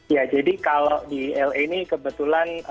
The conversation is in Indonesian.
ya jadi kalau di la ini kebetulan